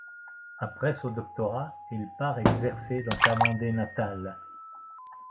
Après son doctorat, il part exercer dans sa Vendée natale.